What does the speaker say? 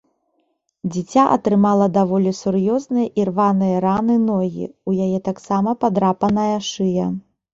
Дзіця атрымала даволі сур'ёзныя ірваныя раны ногі, у яе таксама падрапаная шыя.